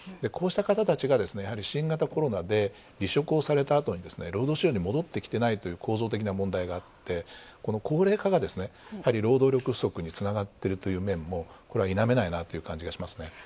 こうした方たちが、新型コロナで離職をされたあとに労働支援に戻ってきてないという構造的な問題があって、高齢化が労働力不足につながっているという点もこれは否めないなという感じがしますね。